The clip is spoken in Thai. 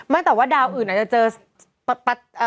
แต่ว่าดาวอื่นอาจจะเจอ